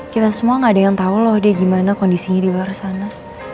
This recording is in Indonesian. kita semua gak ada yang tahu loh dia gimana kondisinya di luar sana